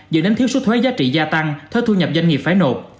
dẫn đến thiếu số thuế giá trị gia tăng thuế thu nhập doanh nghiệp phải nộp